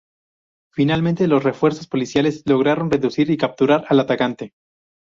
Finalmente los refuerzos policiales lograron reducir y capturar al atacante.